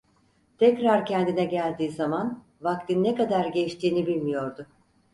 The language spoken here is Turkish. Tekrar kendine geldiği zaman, vaktin ne kadar geçtiğini bilmiyordu.